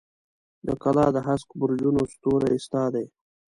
د کلا د هسک برجونو ستوري ستا دي